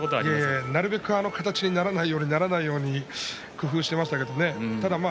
形にならないようにならないように工夫していました。